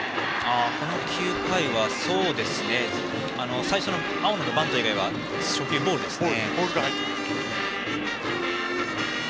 この９回は最初の青野以外はバント以外は初球ボールですね。